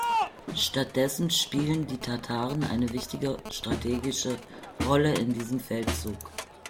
Stattdessen spielen die "Tataren" eine wichtige strategische Rolle in diesem Feldzug.